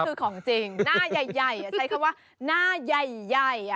คือของจริงหน้าใหญ่ใช้คำว่าหน้าใหญ่